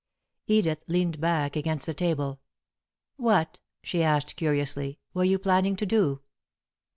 Edith leaned back against the table. "What," she asked, curiously, "were you planning to do?"